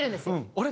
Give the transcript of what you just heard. あれ？